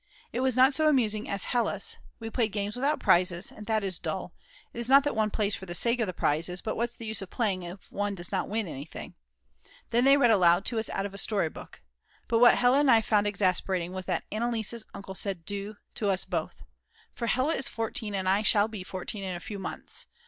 It was not so amusing as at Hella's. We played games without prizes, and that is dull; it is not that one plays for the sake of the prizes, but what's the use of playing if one does not win anything? Then they read aloud to us out of a story book. But what Hella and I found exasperating was that Anneliese's uncle said "Du" to us both. For Hella is 14, and I shall be 14 in a few months.